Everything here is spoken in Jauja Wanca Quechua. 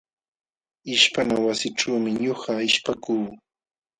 Ishpana wasićhuumi ñuqa ishpakuu.